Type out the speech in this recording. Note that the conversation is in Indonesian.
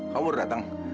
kamu udah datang